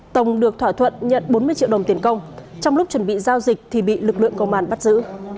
tổng được thỏa thuận nhận bốn mươi triệu đồng tiền công trong lúc chuẩn bị giao dịch thì bị lực lượng công an bắt giữ